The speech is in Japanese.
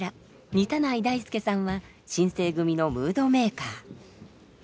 似内大輔さんは新盛組のムードメーカー。